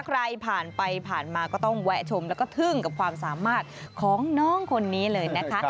ใครผ่านไปผ่านมาก็ต้องแวะชมแล้วก็ทึ่งกับความสามารถของน้องคนนี้เลยนะคะ